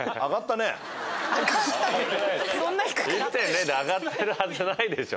１．０で上がってるはずないでしょ。